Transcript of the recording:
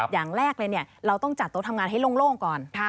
อย่างแรกเลยเราต้องจัดโต๊ะทำงานให้โล่งก่อน